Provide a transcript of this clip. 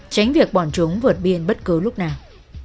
tránh việc bọn chúng vượt biên bất cứ lúc nào